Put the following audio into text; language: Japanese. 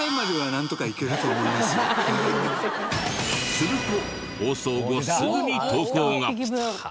すると放送後すぐに投稿が。